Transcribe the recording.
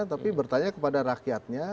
tapi bertanya kepada rakyatnya